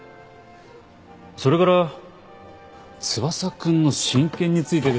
それから翼くんの親権についてですが。